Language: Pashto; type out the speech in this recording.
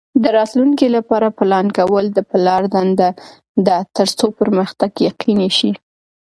د راتلونکي لپاره پلان کول د پلار دنده ده ترڅو پرمختګ یقیني شي.